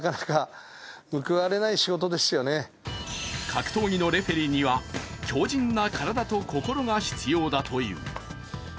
格闘技のレフェリーには強靱な体と心が必要だという。